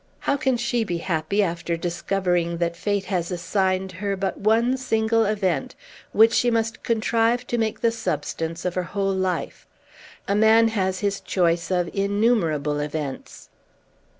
How can she be happy, after discovering that fate has assigned her but one single event, which she must contrive to make the substance of her whole life? A man has his choice of innumerable events."